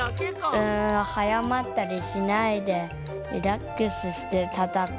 うんはやまったりしないでリラックスしてたたく。